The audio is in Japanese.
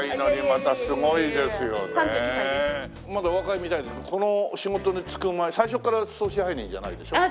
まだお若いみたいですけどこの仕事に就く前最初っから総支配人じゃないでしょ？